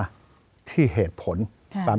จะพิจารณาคม